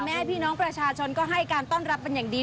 แม่พี่น้องประชาชนก็ให้การต้อนรับเป็นอย่างดี